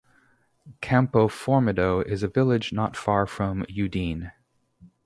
Campoformido is a village not far from Udine.